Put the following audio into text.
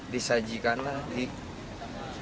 disajikan lah di roda kayak gini di sespan